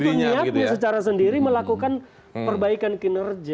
itu niatnya secara sendiri melakukan perbaikan kinerja